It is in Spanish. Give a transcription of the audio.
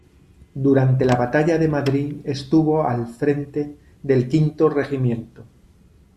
Durante la batalla de Madrid estuvo al frente del Quinto Regimiento.